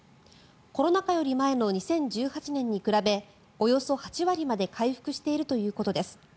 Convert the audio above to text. コロナ禍より前の２０１８年に比べおよそ８割まで回復しているということです。